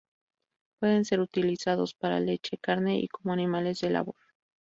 Pueden ser utilizados para leche, carne y como animales de labor.